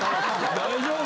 大丈夫？